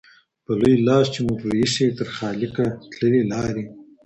په لوی لاس چي مو پرې ایښي تر خالقه تللي لاري